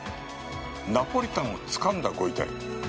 ナポリタンをつかんだご遺体？